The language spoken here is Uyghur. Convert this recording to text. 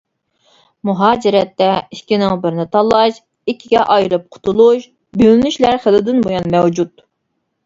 مۇھاجىرەتتە ئىككىنىڭ بىرىنى تاللاش، ئىككىگە ئايرىپ قۇتۇلۇش، بۆلۈنۈشلەر خېلىدىن بۇيان مەۋجۇت.